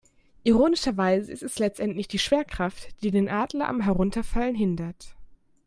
Ironischerweise ist es letztendlich die Schwerkraft, die den Adler am Herunterfallen hindert.